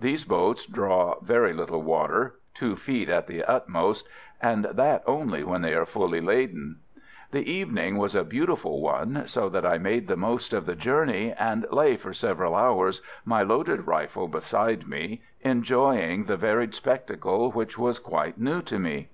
These boats draw very little water 2 feet at the utmost, and that only when they are fully laden. The evening was a beautiful one, so that I made the most of the journey, and lay for several hours, my loaded rifle beside me, enjoying the varied spectacle which was quite new to me.